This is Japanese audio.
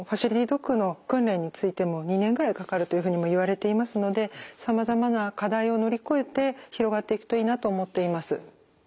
ドッグの訓練についても２年ぐらいかかるというふうにもいわれていますのでさまざまな課題を乗り越えて広がっていくといいなと思っています。